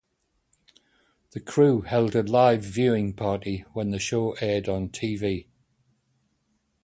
The crew held a live viewing party when the show aired on T V.